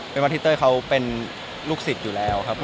เป็นว่าพี่เต้ยเขาเป็นลูกศิษย์อยู่แล้วครับ